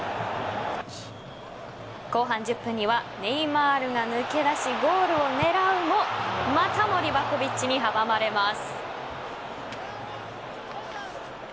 後半１０分にはネイマールが抜け出しゴールを狙うもまたもリヴァコヴィッチに阻まれます。